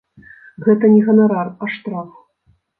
Гэта не ганарар, а штраф.